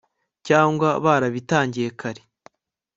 cyangwa barabitangiye kare